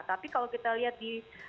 tapi kalau kita lihat di